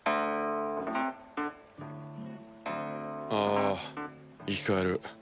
あ生き返る。